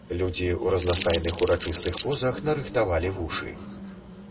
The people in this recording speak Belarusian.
Людзі ў разнастайных урачыстых позах нарыхтавалі вушы.